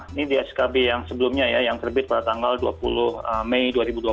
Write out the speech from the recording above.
ini di skb yang sebelumnya ya yang terbit pada tanggal dua puluh mei dua ribu dua puluh